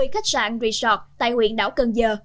một mươi khách sạn resort tại huyện đảo cần giờ